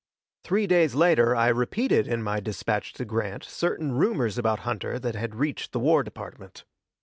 Three days later I repeated in my dispatch to Grant certain rumors about Hunter that had reached the War Department.